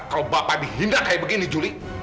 kalau bapak dihindar kayak begini juli